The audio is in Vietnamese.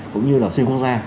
cũng như là xuyên quốc gia